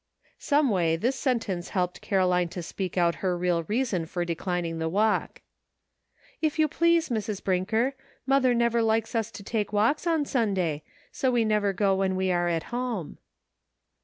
Some way this sentence helped Caroline to NIGHT WORE. 107 speak out her real reason for declining the walk. " If you please, Mrs. Brinker, mother never likes us to take walks on Sunday, so we never go when we are at home."